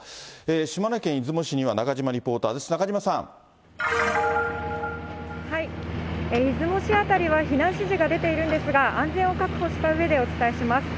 島根県出雲市には中島リポーターです、出雲市辺りは避難指示が出ているんですが、安全を確保したうえでお伝えします。